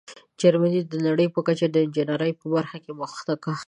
جرمني د نړۍ په کچه د انجینیرۍ په برخه کې مخکښ دی.